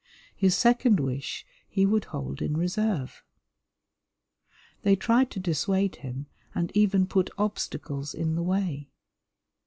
His second wish he would hold in reserve. They tried to dissuade him, and even put obstacles in the way.